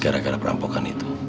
gara gara perampokan itu